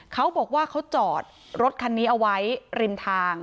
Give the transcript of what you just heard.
เขาบอกว่าเขาจอดรถคันนี้เอาไว้ริมทาง